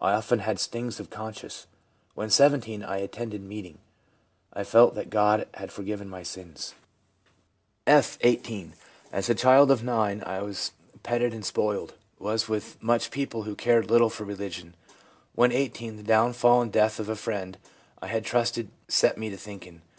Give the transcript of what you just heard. I often had stings of conscience. (When 17) I attended meeting; I felt that God had forgiven my sins/ F., 18. ' As a child of 9, I was petted and spoiled ; was much with people who cared little for religion. When 18 the downfall and death of a friend I had trusted set me to thinking.